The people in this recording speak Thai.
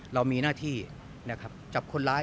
เรามีหน้าที่จับคนร้าย